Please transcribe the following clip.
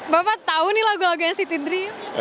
bapak tahu nih lagu lagu nct dream